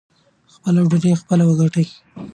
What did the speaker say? خپله ډوډۍ خپله وګټئ.